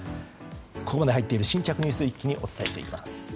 ここまで入っている新着ニュースを一気にお伝えします。